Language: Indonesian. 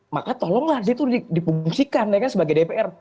maka tolonglah itu dipungsikan sebagai dpr